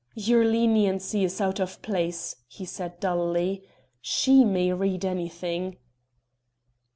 "Your leniency is out of place," he said dully; "she may read anything."